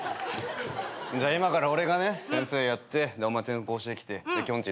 じゃ今から俺が先生やってお前転校してきてきょんちぃ